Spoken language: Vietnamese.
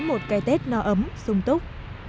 một cây tết no ấm sung túc